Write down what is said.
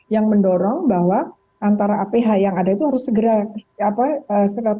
yang mendorong bahwa antara aph yang ada itu harus segera